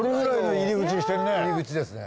入り口ですね。